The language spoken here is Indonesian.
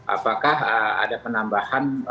apakah ada penambahan